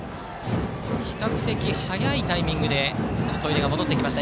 比較的早いタイミングで砥出が戻ってきました。